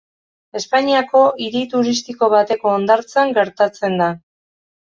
Espainiako hiri turistiko bateko hondartzan gertatzen da.